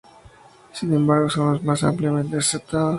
Sin embargo son los más ampliamente aceptados.